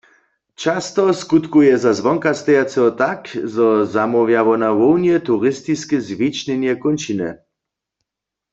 Často skutkuje za zwonkastejaceho tak, zo zamołwja wona hłownje turistiske zwičnjenje kónčiny.